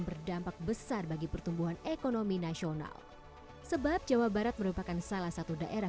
berdampak besar bagi pertumbuhan ekonomi nasional sebab jawa barat merupakan salah satu daerah